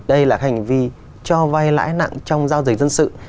đây là hành vi cho vay lãi nặng trong giao dịch dân sự